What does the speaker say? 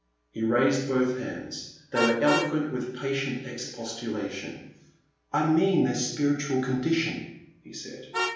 He raised both hands. They were eloquent with patient expostulation. '* I mean their spir itual condition," he said.